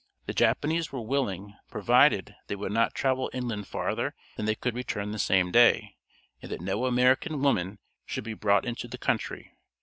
The Japanese were willing, provided they would not travel inland farther than they could return the same day, and that no American women should be brought into the country.